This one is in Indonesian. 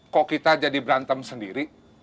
kok kita jadi berantem sendiri